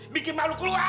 bikin malu keluarga